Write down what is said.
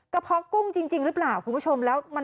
เพาะกุ้งจริงหรือเปล่าคุณผู้ชมแล้ว